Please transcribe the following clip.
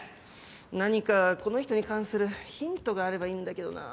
なにかこの人に関するヒントがあればいいんだけどな。